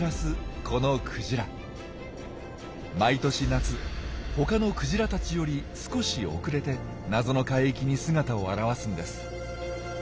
毎年夏他のクジラたちより少し遅れて「謎の海域」に姿を現すんです。